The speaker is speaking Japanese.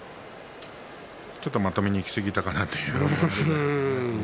ちょっとまともにいきすぎたかなという感じです。